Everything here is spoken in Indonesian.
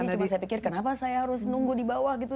cuma saya pikir kenapa saya harus nunggu di bawah gitu